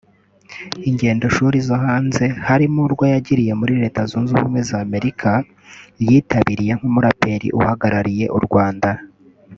Ingendoshuri zo hanze harimo urwo yagiriye muri Leta Zunze Ubumwe z’Amerika yitabiriye nk’umuraperi uhagarariye u Rwanda